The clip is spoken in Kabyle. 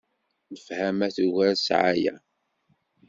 Lefhama tugar ssɛaya.